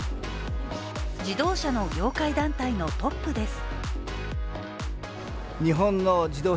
自動車の業界団体のトップです。